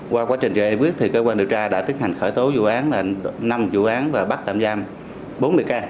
qua quá trình giải quyết thì cơ quan điều tra đã tiến hành khởi tố vụ án năm vụ án và bắt tạm giam bốn mươi ca